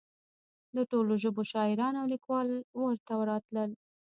د ټولو ژبو شاعران او لیکوال ورته راتلل.